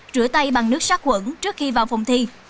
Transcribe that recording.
rửa tay bằng nước sát quẩn trước khi vào phòng thi